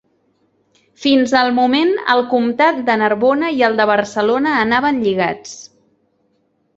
Fins al moment el comtat de Narbona i el de Barcelona anaven lligats.